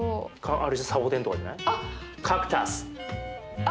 あれじゃんサボテンとかじゃない？